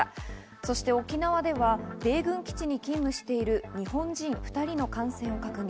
そして沖縄では米軍基地に勤務している日本人２人の感染を確認。